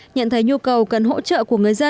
nhận thấy nhu cầu cần hỗ trợ của người dân